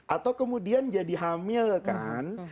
atau kemudian jadi hamil kan